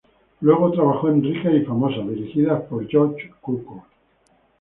Luego, trabajó en "Ricas y famosas", dirigida por George Cukor.